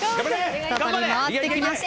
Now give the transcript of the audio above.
再び回ってきました。